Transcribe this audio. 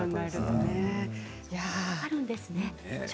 あるんですね。